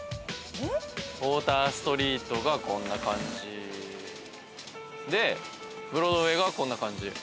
ウォーターストリートがこんな感じでブロードウェイがこんな感じ。